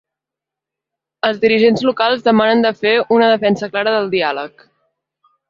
Els dirigents locals demanen de fer una defensa clara del diàleg.